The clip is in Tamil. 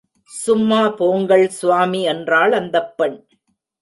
சும்மா போங்கள், சுவாமி என்றாள் அந்தப் பெண்.